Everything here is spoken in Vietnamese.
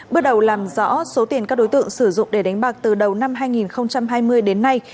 bước đầu làm rõ số tiền các đối tượng sử dụng để đánh bạc từ đầu năm hai nghìn hai mươi đến nay